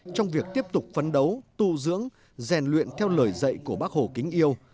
trong việc tiếp tục phấn đấu tu dưỡng rèn luyện theo lời dạy của bác hồ kính yêu